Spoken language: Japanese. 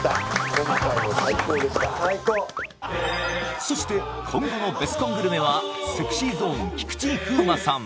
今回も最高でした最高そして今後のベスコングルメはＳｅｘｙＺｏｎｅ菊池風磨さん